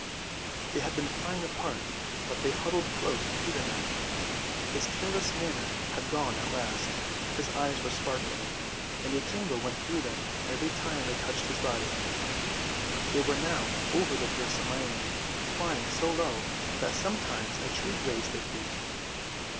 They had been flying apart, but they huddled close to Peter now. His careless manner had gone at last, his eyes were sparkling, and a tingle went through them every time they touched his body. They were now over the fearsome island, flying so low that sometimes a tree grazed their feet.